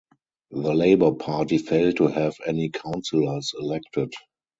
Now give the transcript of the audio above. The Labour Party failed to have any councillors elected.